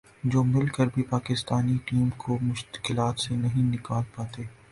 جو مل کر بھی پاکستانی ٹیم کو مشکلات سے نہیں نکال پاتے